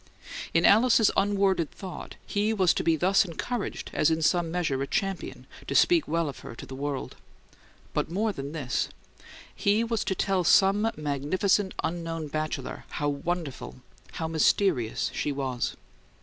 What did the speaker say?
In Alice's unworded thought, he was to be thus encouraged as in some measure a champion to speak well of her to the world; but more than this: he was to tell some magnificent unknown bachelor how wonderful, how mysterious, she was.